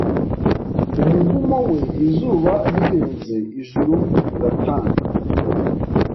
Umuvumo we izuba rirenze Ijuru riratanga